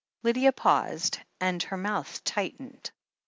Lydia paused, and her mouth tightened.